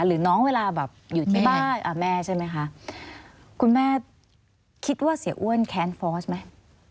หรือน้องเวลาแบบอยู่ที่บ้านแม่ใช่ไหมคะคุณแม่คิดว่าเสียอ้วนแค้นฟอสไหม